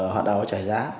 họ đều phải trả giá